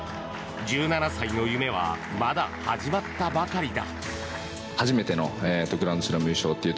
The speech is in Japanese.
１７歳の夢はまだ始まったばかりだ。